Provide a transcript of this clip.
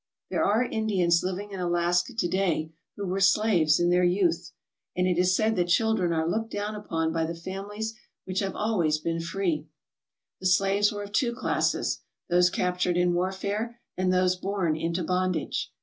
There are Indians living in Alaska to day who were slaves in their youth, and it is said their children are looked down upon by the families which have always been free. The slaves were of two classes those captured in warfare and those born into bondage.